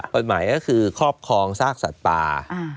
กฎหมายก็คือครอบครองซากสัตว์ป่า